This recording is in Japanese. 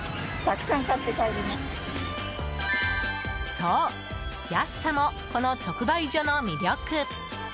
そう、安さもこの直売所の魅力。